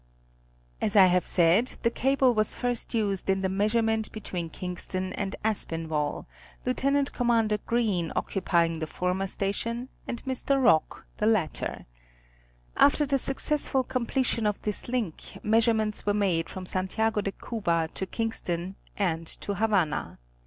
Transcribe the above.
As I have said, the cable was first used in the measurement between Kingston and Aspinwall, Lieut. Commander Green occupying the former station, and Mr. Rock the latter. After the successful completion of this link, measurements were made from Santiago de Cuba to Kingston, and to Havana.